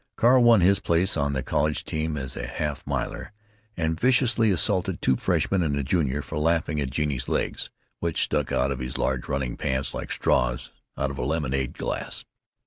Carl won his place on the college team as a half miler, and viciously assaulted two freshmen and a junior for laughing at Genie's legs, which stuck out of his large running pants like straws out of a lemonade glass.